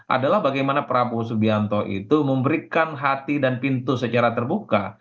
adalah bagaimana prabowo subianto itu memberikan hati dan pintu secara terbuka